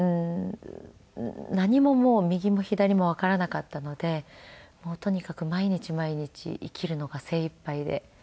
何ももう右も左もわからなかったのでとにかく毎日毎日生きるのが精いっぱいで。